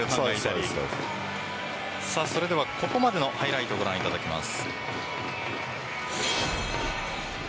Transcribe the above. それではここまでのハイライトをご覧いただきます。